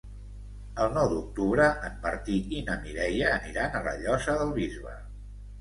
El nou d'octubre en Martí i na Mireia aniran a la Llosa del Bisbe.